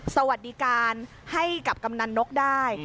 สวัสดีการให้กับกำนันนกได้